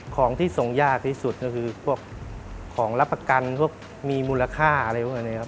ของที่ส่งยากที่สุดก็คือพวกของรับประกันพวกมีมูลค่าอะไรพวกนี้ครับ